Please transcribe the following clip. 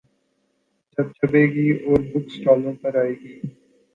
جب چھپے گی اور بک سٹالوں پہ آئے گی۔